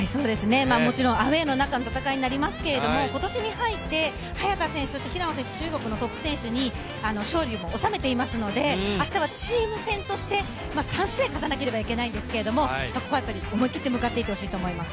もちろんアウエーの中の戦いになりますけど今年に入って早田選手、平野選手、中国のトップ選手に勝利を収めていますので明日はチーム戦として３試合勝たなければいけないんですけれども、ここはやっぱり思い切って向かっていってほしいと思います。